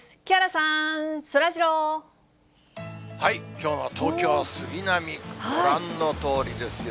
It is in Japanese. きょうの東京・杉並、ご覧のとおりですよ。